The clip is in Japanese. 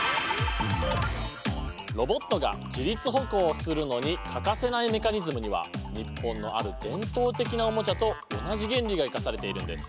ロボットが自立歩行をするのに欠かせないメカニズムには日本のある伝統的なおもちゃと同じ原理が生かされているんです。